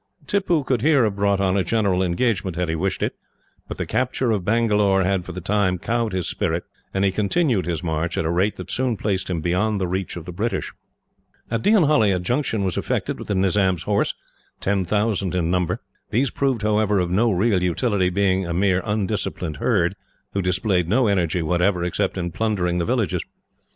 Tippoo could here have brought on a general engagement, had he wished it; but the capture of Bangalore had for the time cowed his spirit, and he continued his march, at a rate that soon placed him beyond the reach of the British. At Deonhully a junction was effected with the Nizam's horse, ten thousand in number. These proved, however, of no real utility, being a mere undisciplined herd, who displayed no energy whatever, except in plundering the villagers.